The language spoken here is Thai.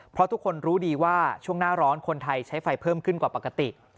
เพราะทุกคนรู้ดีว่าช่วงหน้าร้อนคนไทยใช้ไฟเพิ่มขึ้นกว่าปกติ